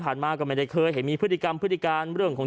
มาก็ไม่ได้เคยเห็นมีพฤติกรรมพฤติการเรื่องของ